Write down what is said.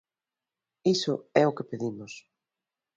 Iso é o que pedimos.